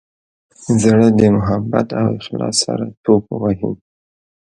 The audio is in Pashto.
زړه د محبت او اخلاص سره ټوپ وهي.